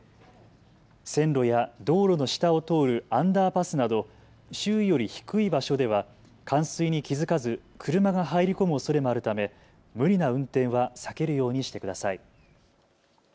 線路や道路の下を通るアンダーパスなど周囲より低い場所では冠水に気付かず車が入り込むおそれもあるため無理な運転は避けるようにしてください。